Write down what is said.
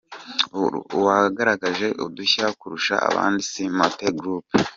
Uwagaragaje udushya kurusha abandi: S-Mate Group ltd.